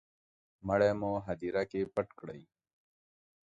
مړی مو هدیره کي پټ کړی